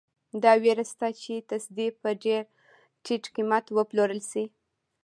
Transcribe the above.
دا وېره شته چې تصدۍ په ډېر ټیټ قیمت وپلورل شي.